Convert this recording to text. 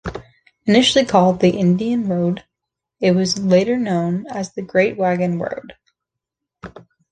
Initially called the "Indian Road", it was later known as the "Great Wagon Road.